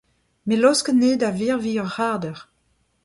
Me a laosk anezhe da virviñ ur c'hardeur.